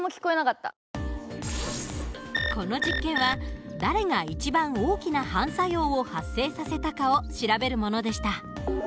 この実験は誰が一番大きな反作用を発生させたかを調べるものでした。